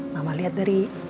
mama lihat dari